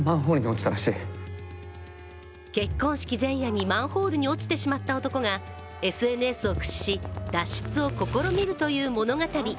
結婚式前夜にマンホールに落ちてしまった男がＳＮＳを駆使し脱出を試みるという物語。